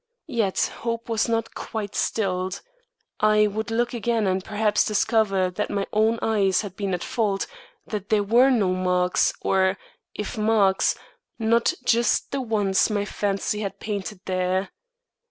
Yet hope was not quite stilled. I would look again and perhaps discover that my own eyes had been at fault, that there were no marks, or if marks, not just the ones my fancy had painted there.